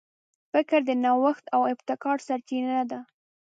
فکر د نوښت او ابتکار سرچینه ده.